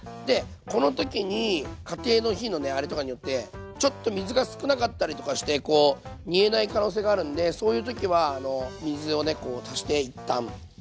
この時に家庭の火のあれとかによってちょっと水が少なかったりとかして煮えない可能性があるんでそういう時は水をこう足して一旦。